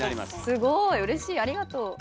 すごいうれしいありがとう。